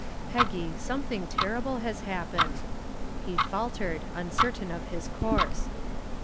"Peggy, something terrible has happened," he faltered, uncertain of his course.